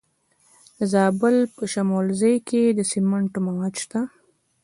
د زابل په شمولزای کې د سمنټو مواد شته.